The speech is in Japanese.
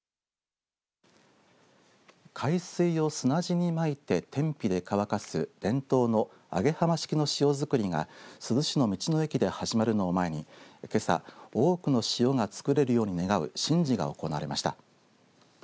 海水を砂地にまいて天日で乾かす伝統の揚浜式の塩作りが珠洲市の道の駅で始まるのを前にけさ多くの塩が作れるように願う神事が行われました。